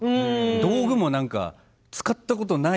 道具もなんか使ったことがない